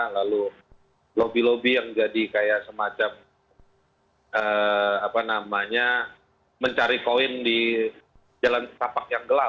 lalu lobby lobby yang jadi kayak semacam mencari koin di jalan tapak yang gelap